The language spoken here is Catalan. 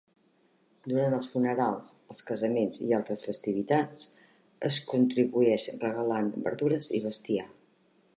Durant els funerals, els casaments i altres festivitats es contribueix regalant verdures i bestiar.